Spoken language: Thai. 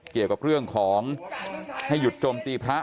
เกี่ยวกับเรื่องของให้หยุดโจมตีพระ